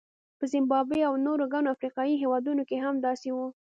په زیمبابوې او نورو ګڼو افریقایي هېوادونو کې هم داسې وو.